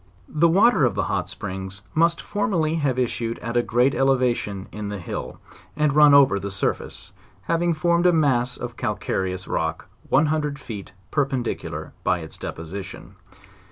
The water of the hot springs must formerly have issued at a greater elevation in the hill, and run over the surface, having formed a mass of calcareous rock one hundred feet perpendicular by its deposition.